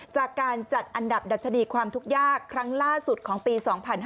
จากการจัดอันดับดัชนีความทุกข์ยากครั้งล่าสุดของปี๒๕๕๙